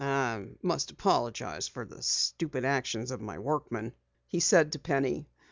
"I must apologize for the stupid actions of my workman," he said to Penny.